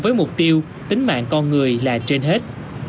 với mục tiêu tính mạng con người là trên hết